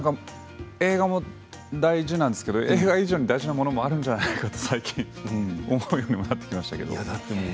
映画も大事なんですけれど映画以上に大事なものもあるんじゃないかと最近思うようになってきましたけれども。